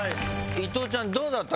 伊藤ちゃんどうだった？